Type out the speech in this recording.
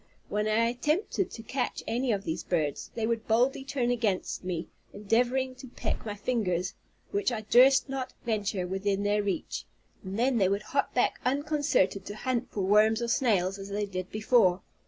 When I attempted to catch any of these birds, they would boldly turn against me, endeavoring to peck my fingers, which I durst not venture within their reach; and then they would hop back unconcerned, to hunt for worms or snails, as they did before.